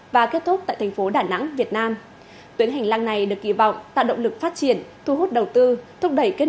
và kết thúc từ đông tây